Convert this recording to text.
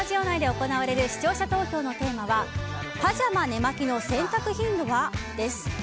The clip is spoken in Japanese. せきららスタジオ内で行われる視聴者投票のテーマはパジャマ・寝間着の洗濯頻度は？です。